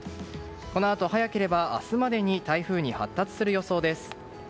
このあと早ければ明日までに台風に発達する予想です。